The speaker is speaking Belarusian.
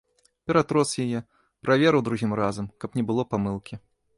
Ператрос яе, праверыў другім разам, каб не было памылкі.